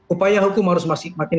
upaya hukum harus makin